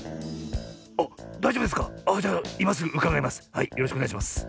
はいよろしくおねがいします。